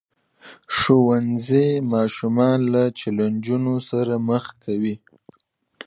ښوونځی ماشومان له چیلنجونو سره مخ کوي.